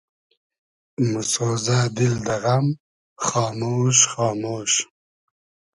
موسۉزۂ دیل دۂ غئم خامۉش خامۉش